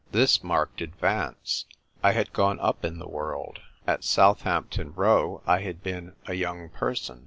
This marked advance. I had gone up in the world. At Southu. oton Row I had been "a young person."